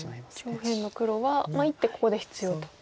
上辺の黒は１手ここで必要と。